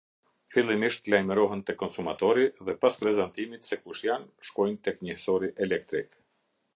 Fillimisht lajmërohen te konsumatori dhe pas prezantimit se kush janë shkojnë tek njehsori elektrik.